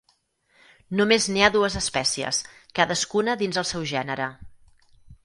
Només n'hi ha dues espècies, cadascuna dins el seu gènere.